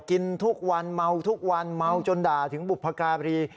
กินทุกวันเมาทุกวันเมาจนด่าถึงบุพการี